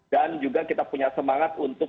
dan juga kita punya semangat untuk